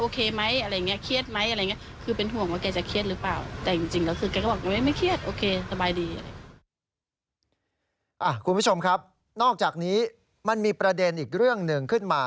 คุณผู้ชมครับนอกจากนี้มันมีประเด็นอีกเรื่องหนึ่งขึ้นมา